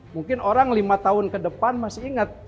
mungkin orang lima tahun ke depan masih ingat